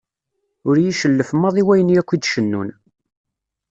Ur iyi-cellef maḍi wayen yakk i d-cennun.